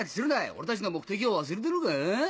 俺たちの目的を忘れたのか？